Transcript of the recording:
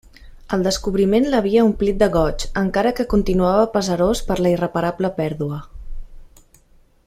El descobriment l'havia omplit de goig, encara que continuava pesarós per la irreparable pèrdua.